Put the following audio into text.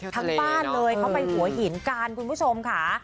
ทั้งบ้านเลยเขาไปหัวหินกันคุณผู้ชมค่ะ